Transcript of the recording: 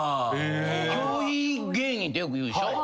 憑依芸人ってよく言うでしょ？